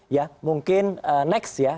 ya mungkin next ya